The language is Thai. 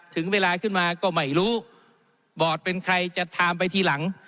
ถึงเวลาขึ้นมาก็ไม่รู้บอร์ดเป็นใครจะไทม์ไปทีหลัง